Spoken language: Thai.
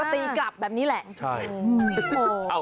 โอ้โห